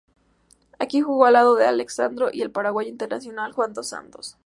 Aquí jugó al lado de Alex Sandro y el paraguayo internacional Julio Dos Santos.